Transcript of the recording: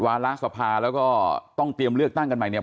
วางแล้วก็ต้องเตรียมเลือกตั้งกันมาเนี่ย